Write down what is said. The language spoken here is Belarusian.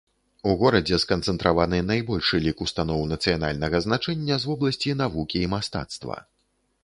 У горадзе сканцэнтраваны найбольшы лік устаноў нацыянальнага значэння з вобласці навукі і мастацтва.